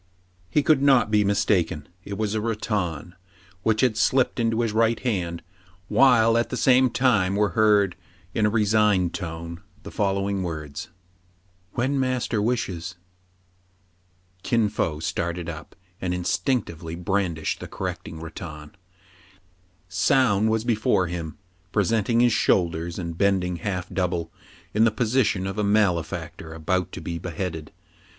He could not be mistaken : it was a rattan, which had slipped into his right hand, while at the same time were heard, in a resigned tone, the following words :— 44 TRIBULATIONS OF A CHINAMAN. " When master wishes/' Kin Fo started up, and instinctively brandished the correcting rattan. Soun was before him, presenting his shoulders, and bending half double in the position of a male factor about to be beheaded.